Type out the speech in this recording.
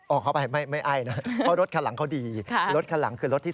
ออกเข้าไปไม่ไอนะเพราะรถคันหลังเขาดี